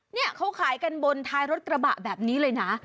เนี่ยเขาขายกันบนท้ายรถกระบะแบบนี้เลยนะ